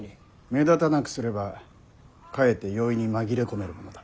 目立たなくすればかえって容易に紛れ込めるものだ。